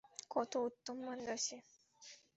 কত উত্তম বান্দা সে!